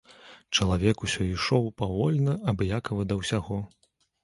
Чалавек усё ішоў павольна, абыякавы да ўсяго.